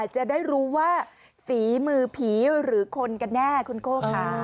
จะได้รู้ว่าฝีมือผีหรือคนกันแน่คุณโก้ค่ะ